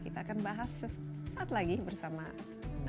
kita akan bahas sesaat lagi bersama narasumber lainnya